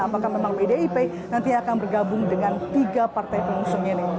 apakah memang pdip nanti akan bergabung dengan tiga partai pengusung ini